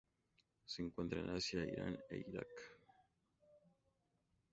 Se encuentran en Asia: Irán e Irak.